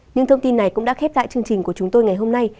những thông tin này cũng đã khép lại chương trình của chúng tôi ngày hôm nay